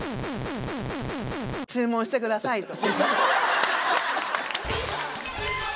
「注文してください」と。